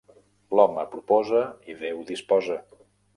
L'home proposa i Déu disposa